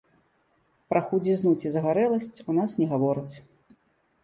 Пра худзізну, ці загарэласць у нас не гавораць.